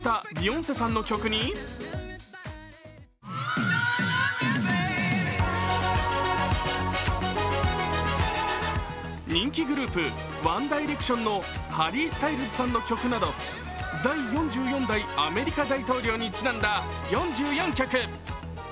オバマ元大統領の就任式で国歌斉唱をしたビヨンセさんの曲に人気グループワン・ダイレクションのハリー・スタイルズさんの曲など、第４４代アメリカ大統領にちなんだ４４曲。